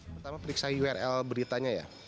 pertama periksa url beritanya ya